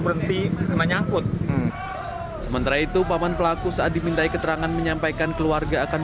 tapi menyakut sementara itu paman pelaku saat diminta keterangan menyampaikan keluarga akan